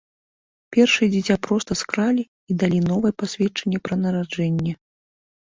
Першае дзіця проста скралі і далі новае пасведчанне пра нараджэнне.